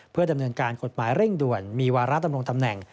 เพื่อดำเนินการกฎหมายเร่งด่วนมีวาระดำรงตำแหน่ง